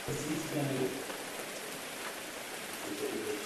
Žije v Českém Krumlově.